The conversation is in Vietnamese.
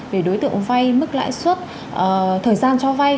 về đối tượng vay mức lãi suất thời gian cho vay